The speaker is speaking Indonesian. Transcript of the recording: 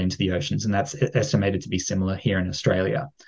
dan itu dipercaya sama seperti di australia